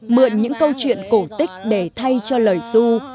mượn những câu chuyện cổ tích để thay cho lời du